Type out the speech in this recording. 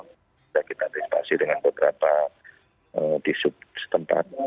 kita bisa antispasi dengan beberapa disub setempat